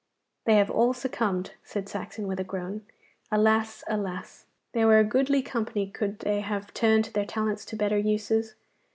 'They have all succumbed,' said Saxon, with a groan. 'Alas, alas! they were a goodly company could they have turned their talents to better uses.